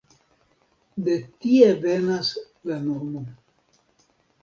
De tie venas la nomo.